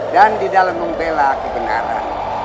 dan di dalam membela kebenaran